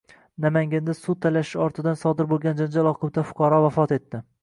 Namanganda suv talashish ortidan sodir bo‘lgan janjal oqibatida fuqaro vafot etdi